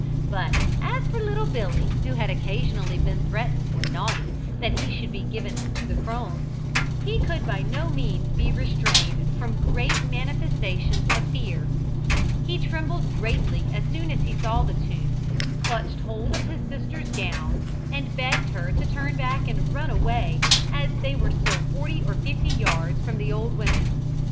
But, as for little Billy, who had occasionally been threatened, when naughty, that he should be given to the crones, he could by no means be restrained from great manifestations of fear. He trembled greatly as soon as he saw the two, clutched hold of his sister's gown, and begged her to turn back and run away, as they were still forty or fifty yards from the old women.